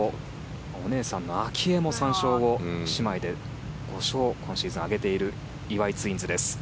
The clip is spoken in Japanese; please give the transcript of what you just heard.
お姉さんの明愛も３勝、姉妹で５勝今シーズン挙げている岩井ツインズです。